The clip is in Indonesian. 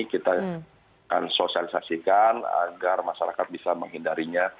kita akan sosialisasikan agar masyarakat bisa menghindarinya